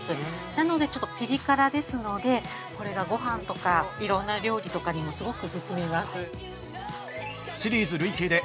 なので、ちょっとピリ辛ですので、これが、ごはんとかいろんな料理とかにもすごく進みます。